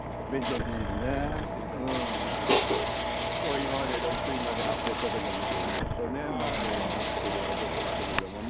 今まで６位まで発表したとこを見てみますとねこうなってるわけですけれどもね。